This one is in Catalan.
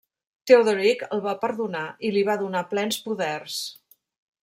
Teodoric el va perdonar i li va donar plens poders.